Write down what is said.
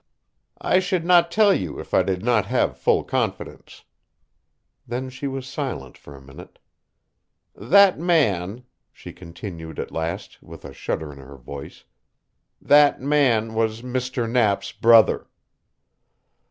"I should not tell you if I did not have full confidence." Then she was silent for a minute. "That man," she continued at last, with a shudder in her voice, "that man was Mr. Knapp's brother."